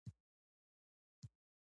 خلک د دې ګرانو غنمو د اخیستلو توان نلري